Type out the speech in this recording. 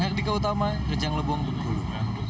ketika utama kejang lebong dulu